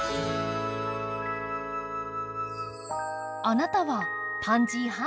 あなたはパンジー派？